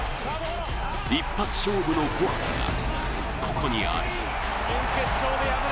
一発勝負の怖さがここにある。